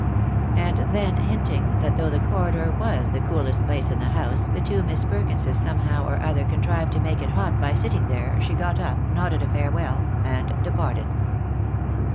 And then hinting that though the corridor was the coolest place in the house, the two Miss Perkinses somehow or other contrived to toake it hot by sitting there, she got up, nodded a farewell, and departed.